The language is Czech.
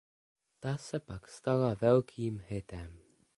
Ta se pak stala velkým hitem.